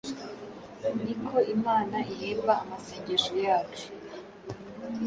niko Imana ihemba amasengesho yacu.